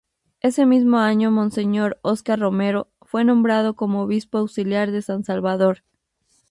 Ese mismo año, Monseñor Oscar Romero, fue nombrado como obispo auxiliar de San Salvador.